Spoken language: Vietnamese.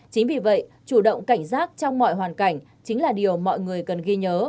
chính vì vậy chủ động cảnh giác trong mọi hoàn cảnh chính là điều mọi người cần ghi nhớ